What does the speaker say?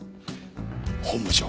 本部長。